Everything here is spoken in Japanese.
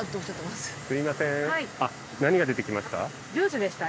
すいません何が出てきました？